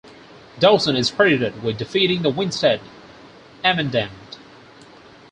Dawson is credited with defeating the Winstead Amendment.